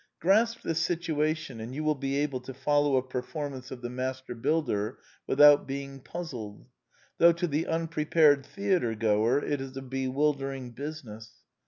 Grasp this situation and you will be able to follow a performance of The Master Builder without being puzzled ; though to the unprepared theatregoer it is a bewildering business.